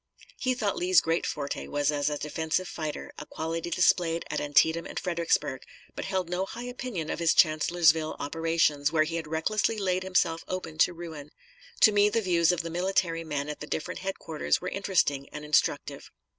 He thought Lee's great forte was as a defensive fighter, a quality displayed at Antietam and Fredericksburg; but held no high opinion of his Chancellorsville operations, where he had recklessly laid himself open to ruin. To me the views of the military men at the different headquarters were interesting and instructive.